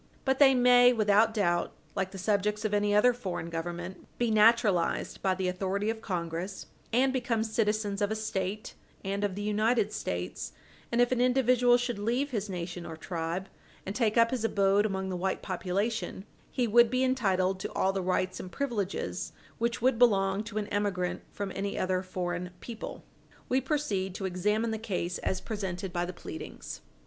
But they may, without doubt, like the subjects of any other foreign Government, be naturalized by the authority of Congress, and become citizens of a State, and of the United States, and if an individual should leave his nation or tribe and take up his abode among the white population, he would be entitled to all the rights and privileges which would belong to an emigrant from any other foreign people. We proceed to examine the case as presented by the pleadings.